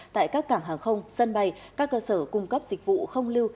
tại các cảng hàng không sân bay các cơ sở cung cấp dịch vụ không lưu